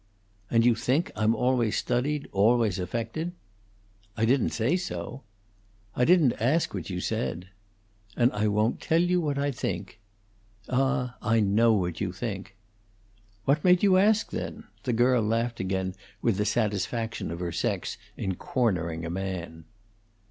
"And you think I'm always studied, always affected?" "I didn't say so." "I didn't ask you what you said." "And I won't tell you what I think." "Ah, I know what you think." "What made you ask, then?" The girl laughed again with the satisfaction of her sex in cornering a man.